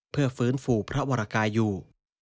เพื่อฟื้นฟูพระวรกายอยู่